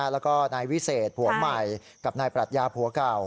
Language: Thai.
แล้วก็นายวิเศษผัวใหม่กับนายปรัชญาผัวเก่า